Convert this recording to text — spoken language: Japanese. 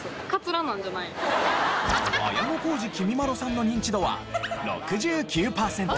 綾小路きみまろさんのニンチドは６９パーセント。